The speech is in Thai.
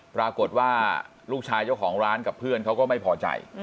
ปรากฏว่าลูกชายเจ้าของร้านกับเพื่อนเขาก็ไม่พอใจ